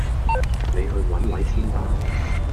你去揾位先啦